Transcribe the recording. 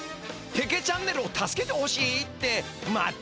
ペケチャンネルを助けてほしいってまた！？